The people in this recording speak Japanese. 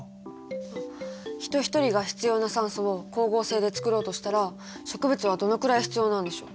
ヒト一人が必要な酸素を光合成で作ろうとしたら植物はどのくらい必要なんでしょう？